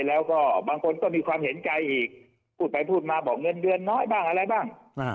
แล้วก็บางคนก็มีความเห็นใจอีกพูดไปพูดมาบอกเงินเดือนน้อยบ้างอะไรบ้าง